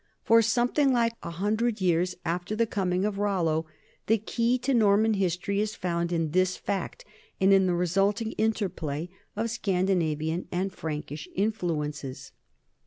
For something like a hundred years after the coming of Rollo the key to Norman history is found in this fact and in the result ing interplay of Scandinavian and Prankish influences.